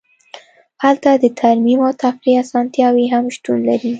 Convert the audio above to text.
هلته د ترمیم او تفریح اسانتیاوې هم شتون لري